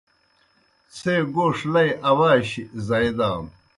څھے گوݜ لئی اواشیْ زائی دانوْ۔